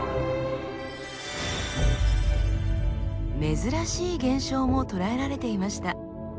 珍しい現象も捉えられていました。